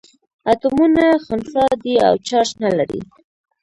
اتومونه خنثي دي او چارج نه لري.